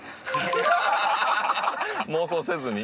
妄想せずに？